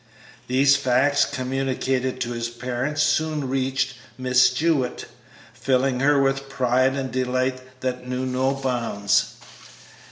These facts, communicated to his parents, soon reached Miss Jewett, filling her with a pride and delight that knew no bounds.